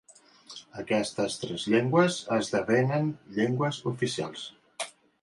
Aquestes tres llengües esdevenen llengües oficials.